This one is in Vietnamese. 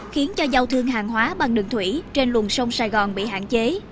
khiến cho giao thương hàng hóa bằng đường thủy trên luồng sông sài gòn bị hạn chế